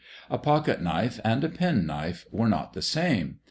A pocket knife and a pen knife were not the same.